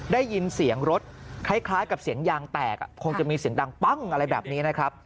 ได้ยินเสียงรถคล้ายกับเสียงยางแตกคงจะมีเสียงดังปั้งอะไรแบบนี้นะครับ